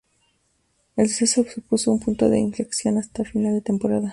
El suceso supuso un punto de inflexión hasta final de temporada.